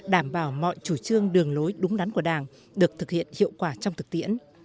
đảm bảo mọi chủ trương đường lối đúng đắn của đảng được thực hiện hiệu quả trong thực tiễn